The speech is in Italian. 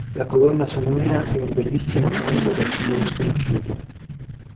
La colonna sonora è un bellissimo tango dal titolo sconosciuto.